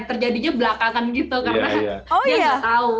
terjadinya belakangan gitu karena dia nggak tahu